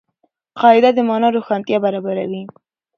قاعده د مانا روښانتیا برابروي.